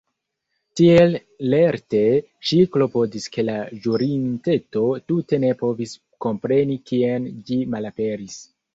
Tiel lerte ŝi klopodis ke la ĵurinteto tute ne povis kompreni kien ĝi malaperis.